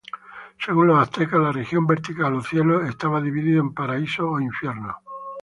Según los aztecas la región vertical o cielo; estaba dividido en paraíso o infierno.